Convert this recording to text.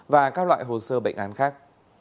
và các loại hồ sơ bệnh án khác